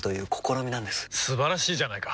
素晴らしいじゃないか！